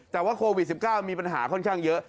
แต่ว่าโควิด๑๙มีปัญหาค่อนข้างเยอะ